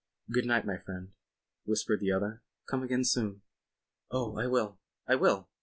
"Good night, my friend," whispered the other. "Come again soon." "Oh, I will. I will."